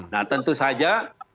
nah tentu saja